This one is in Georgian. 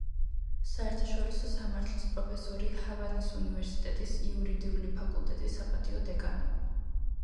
საერთაშორისო სამართლის პროფესორი, ჰავანის უნივერსიტეტის იურიდიული ფაკულტეტის საპატიო დეკანი.